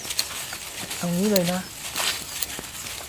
เอางี้เลยนะ